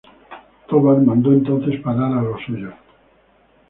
Tovar mandó entonces parar a los suyos.